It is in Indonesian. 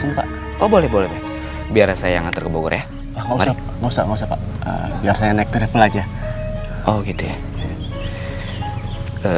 kembali oh boleh boleh biar saya ngantur ke bogor ya maaf maaf biar saya naik travel aja oh gitu ya